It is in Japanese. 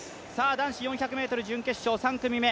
男子４００ｍ準決勝、３組目。